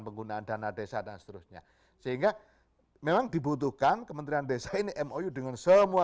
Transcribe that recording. penggunaan dana desa dan seterusnya sehingga memang dibutuhkan kementerian desa ini mou dengan semua